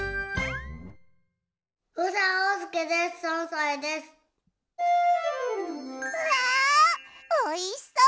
うわおいしそう！